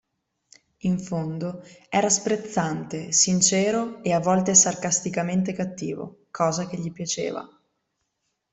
In fondo, era sprezzante, sincero e a volte sarcasticamente cattivo, cosa che gli piaceva.